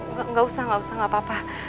nggak usah nggak usah nggak apa apa